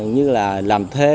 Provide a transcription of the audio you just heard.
như là làm thê